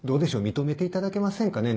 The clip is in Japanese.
認めていただけませんかね